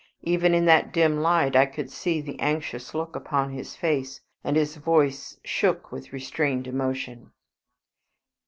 Even in that dim light I could see the anxious look upon his face, and his voice shook with restrained emotion.